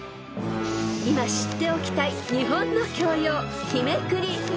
［今知っておきたい日本の教養］